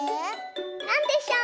なんでしょう？